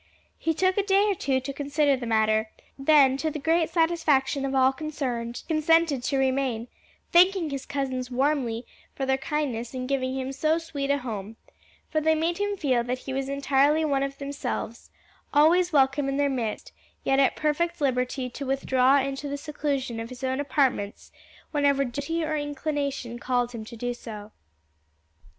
He took a day or two to consider the matter, then, to the great satisfaction of all concerned, consented to remain, thanking his cousins warmly for their kindness in giving him so sweet a home; for they made him feel that he was entirely one of themselves, always welcome in their midst, yet at perfect liberty to withdraw into the seclusion of his own apartments whenever duty or inclination called him to do so.